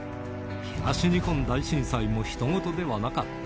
東日本大震災もひと事ではなかった。